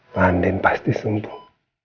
nandin pasti sembuh